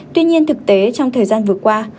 tuy nhiên thực tế trong thời gian vừa qua